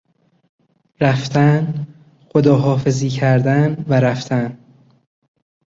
رفتن، خداحافظی کردن و رفتن